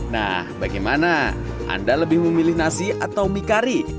nah bagaimana anda lebih memilih nasi atau mie kari